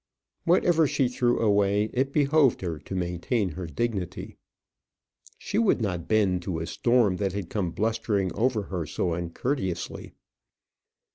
Whatever she threw away, it behoved her to maintain her dignity. She would not bend to a storm that had come blustering over her so uncourteously.